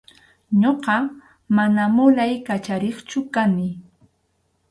Ñuqa mana mulay kachariqchu kani.